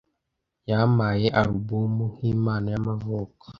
Yampaye alubumu nkimpano y'amavuko.